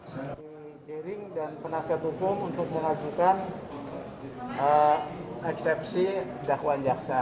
kami jering dan penasihat hukum untuk mengajukan eksepsi dakwaan jaksa